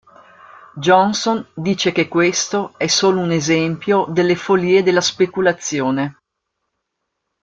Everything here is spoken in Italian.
Johnson dice che questo è solo un esempio delle follie della Speculazione.